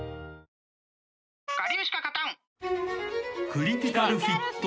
クリティカルフィット！